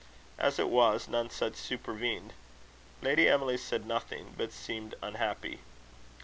As it was, none such supervened. Lady Emily said nothing, but seemed unhappy.